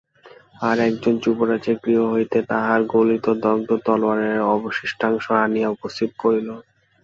আর-একজন যুবরাজের গৃহ হইতে তাঁহার গলিত দগ্ধ তলোয়ারের অবশিষ্টাংশ আনিয়া উপস্থিত করিল।